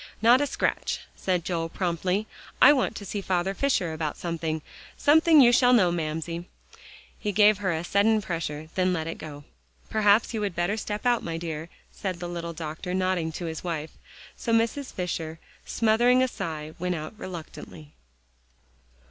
"Not a scratch," said Joel promptly. "I want to see Father Fisher about something. Sometime you shall know, Mamsie." He gave her hand a sudden pressure, then let it go. "Perhaps you would better step out, my dear," said the little doctor, nodding to his wife. So Mrs. Fisher, smothering a sigh, went out reluctantly.